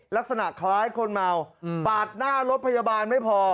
ลักษณะคล้ายคนเมาปาดหน้ารถพยาบาลไม่พอ